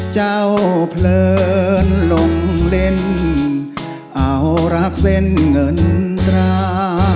เพลินลงเล่นเอารักเส้นเงินตรา